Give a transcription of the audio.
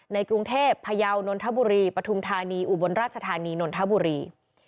ในกรุงเทพพยาวนนทบุรีปฐุมธานีอุบลราชธานีนนทบุรี